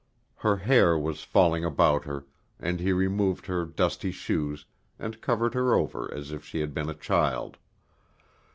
Her hair was falling about her, and he removed her dusty shoes, and covered her over as if she had been a child.